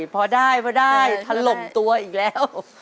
พอได้พอได้ถล่มตัวอีกแล้ว